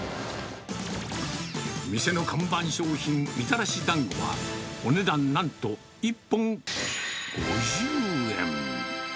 店の看板商品、みたらしだんごはお値段なんと１本５０円。